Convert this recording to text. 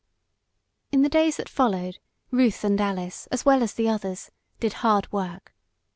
In the days that followed, Ruth and Alice, as well as the others, did hard work.